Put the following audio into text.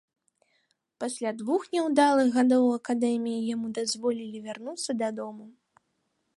Пасля двух няўдалых гадоў у акадэміі яму дазволілі вярнуцца дадому.